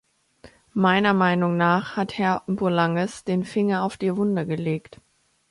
Meiner Meinung nach hat Herr Bourlanges den Finger auf die Wunde gelegt.